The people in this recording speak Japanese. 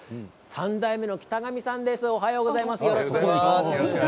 ３代目の北上さんです。